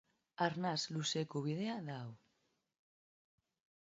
Arnas luzeko bidea da hau.